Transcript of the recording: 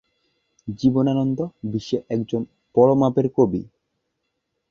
জীবনানন্দ বিশ্বের একজন বড়মাপের কবি।